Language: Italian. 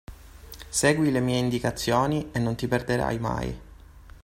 Segui le mie indicazioni e non ti perderai mai.